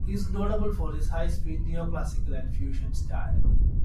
He is notable for his high-speed neoclassical and fusion style.